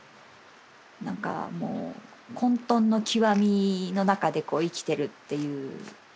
何かもう混とんの極みの中で生きてるっていう。